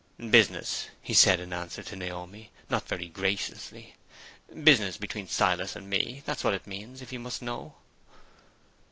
"Business," he said in answer to Naomi, not very graciously "business between Silas and me. That's what it means, if you must know."